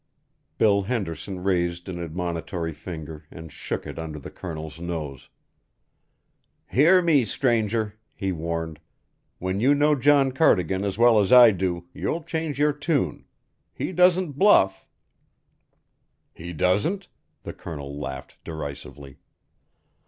Bill Henderson raised an admonitory finger and shook it under the Colonel's nose. "Hear me, stranger," he warned. "When you know John Cardigan as well as I do, you'll change your tune. He doesn't bluff." "He doesn't?" The Colonel laughed derisively.